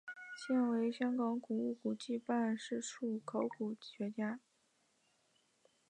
现为香港古物古迹办事处考古学家。